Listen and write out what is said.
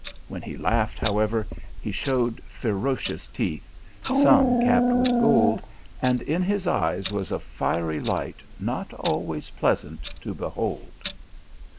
When he laughed, however, he showed ferocious teeth, some capped with gold, and in his eyes was a fiery light not always pleasant to behold.